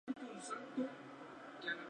Fue vocalista en la Orquesta de Osvaldo Norton.